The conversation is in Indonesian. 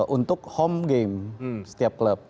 untuk home game setiap klub